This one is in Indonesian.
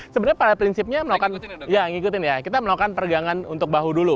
sebenarnya pada prinsipnya kita melakukan pergangan untuk bahu dulu